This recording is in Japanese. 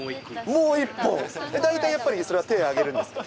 もう一個？大体やっぱり、それは手挙げるんですか？